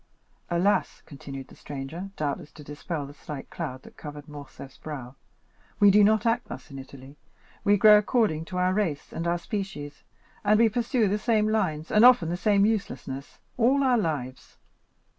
"Alas," continued the stranger, doubtless to dispel the slight cloud that covered Morcerf's brow, "we do not act thus in Italy; we grow according to our race and our species, and we pursue the same lines, and often the same uselessness, all our lives."